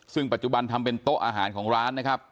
ซึ่งปัจจุบันทำเป็นโต๊ะอาหารของร้านนะครับ